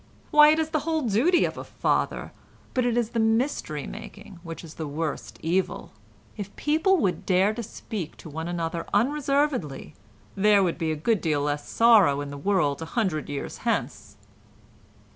"Why it is the whole duty of a father, but it is the mystery making which is the worst evil. If people would dare to speak to one another unreservedly, there would be a good deal less sorrow in the world a hundred years hence."